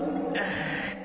ああ。